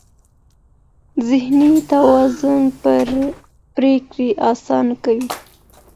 ذهني توازن پرېکړې اسانه کوي.